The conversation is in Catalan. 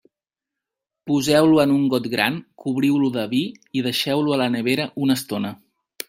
Poseu-lo en un got gran, cobriu-lo de vi i deixeu-lo a la nevera una estona.